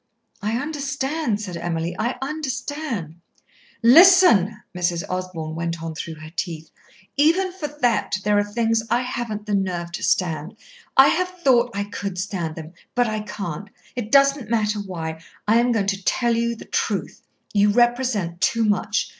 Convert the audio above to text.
"I understand," said Emily. "I understand." "Listen!" Mrs. Osborn went on through her teeth. "Even for that, there are things I haven't the nerve to stand. I have thought I could stand them. But I can't. It does not matter why. I am going to tell you the truth. You represent too much.